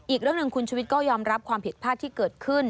อีกเรื่องหนึ่งคุณชุวิตก็ยอมรับความผิดพลาดที่เกิดขึ้น